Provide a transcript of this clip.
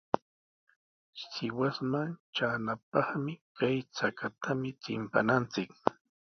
Sihuasman traanapaqmi kay chakatami chimpananchik.